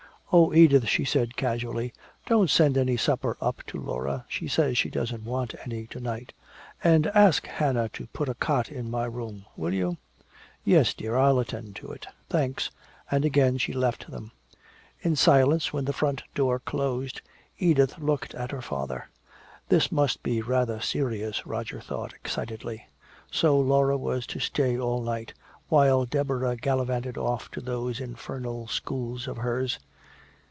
"Oh, Edith," she said casually, "don't send any supper up to Laura. She says she doesn't want any to night. And ask Hannah to put a cot in my room. Will you?" "Yes, dear, I'll attend to it." "Thanks." And again she left them. In silence, when the front door closed, Edith looked at her father. This must be rather serious, Roger thought excitedly. So Laura was to stay all night, while Deborah gallivanted off to those infernal schools of hers!